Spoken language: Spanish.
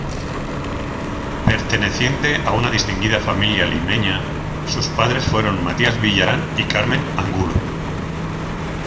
Perteneciente a una distinguida familia limeña, sus padres fueron Matías Villarán y Carmen Angulo.